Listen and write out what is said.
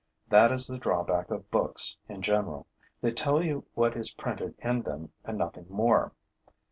That is the drawback of books in general: they tell you what is printed in them and nothing more.